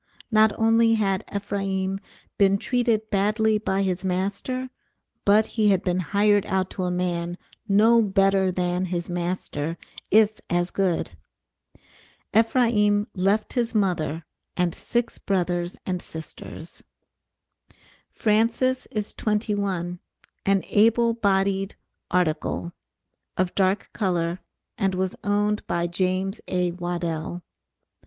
Not only had Ephraim been treated badly by his master but he had been hired out to a man no better than his master, if as good. Ephraim left his mother and six brothers and sisters. Francis is twenty one, an able bodied "article," of dark color, and was owned by James A. Waddell.